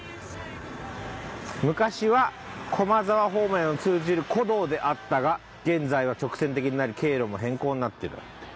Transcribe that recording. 「昔は駒沢方面へ通じる古道であったが現在は直線的になり経路も変更になっている」だって。